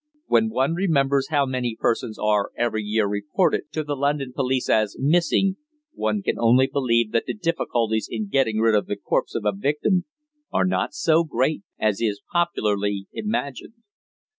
When one remembers how many persons are every year reported to the London police as missing, one can only believe that the difficulties in getting rid of the corpse of a victim are not so great as is popularly imagined.